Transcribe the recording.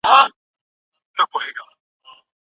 نیک عمل د انسان رښتینی ملګری دی.